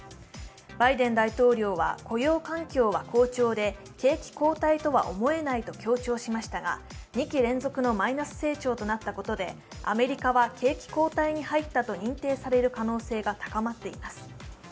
バイデン大統領は雇用環境は好調で景気後退とは思えないと強調しましたが、２期連続のマイナス成長となったことでアメリカは景気後退に入ったと認定される可能性が高まっています。